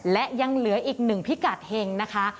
และยังเหลืออีกหนึ่งพิกัดเห็งนะคะ